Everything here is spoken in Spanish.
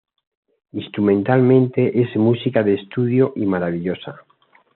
Instrumentalmente es música de estudio y maravillosa.